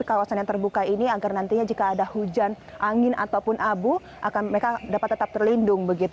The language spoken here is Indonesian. kawasan yang terbuka ini agar nantinya jika ada hujan angin ataupun abu mereka dapat tetap terlindung begitu